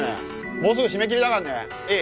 もうすぐ締め切りだからねいい？